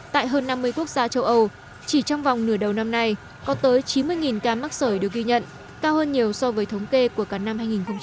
tại hơn năm mươi quốc gia châu âu chỉ trong vòng nửa đầu năm nay có tới chín mươi ca mắc sởi được ghi nhận cao hơn nhiều so với thống kê của cả năm hai nghìn một mươi tám